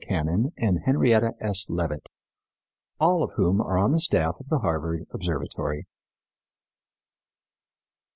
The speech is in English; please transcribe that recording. Cannon and Henrietta S. Leavitt, all of whom are on the staff of the Harvard Observatory.